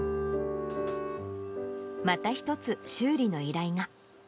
また一つ、修理の依頼が。